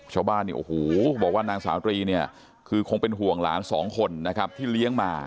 ชาวบ้านบอกว่านางสาวตรีคือคงเป็นห่วงหลาน๒คนนะครับที่เลี้ยงมา